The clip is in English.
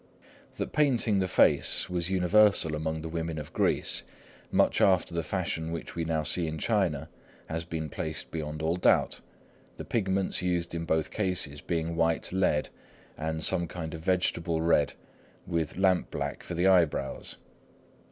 That painting the face was universal among the women of Greece, much after the fashion which we now see in China, has been placed beyond all doubt, the pigments used in both cases being white lead and some kind of vegetable red, with lampblack for the eyebrows.